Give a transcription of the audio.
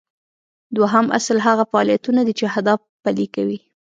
دوهم اصل هغه فعالیتونه دي چې اهداف پلي کوي.